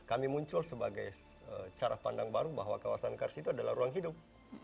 kami muncul sebagai cara pandang baru bahwa kawasan karsi itu adalah ruang hidup